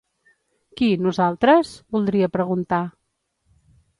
Qui, nosaltres?, voldria preguntar.